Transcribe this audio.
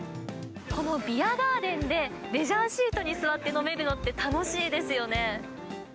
このビアガーデンで、レジャーシートに座って飲めるのって、楽しいですよね。